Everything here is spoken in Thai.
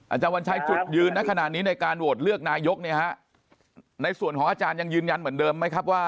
อาจารย์วัญชัยจุดยืนขนาดนี้ในการโหวดเลือกนายกในส่วนของอาจารย์ยังยืนยั้นเมินเดิมไหมครับ